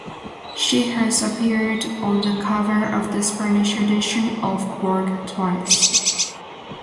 She has appeared on the cover of the Spanish edition of "Vogue" twice.